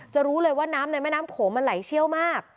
รู้เลยว่าน้ำในแม่น้ำโขงมันไหลเชี่ยวมาก